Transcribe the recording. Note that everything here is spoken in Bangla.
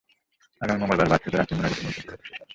আগামী মঙ্গলবার বাদ ফজর আখেরি মোনাজাতের মধ্য দিয়ে ওরস শেষ হবে।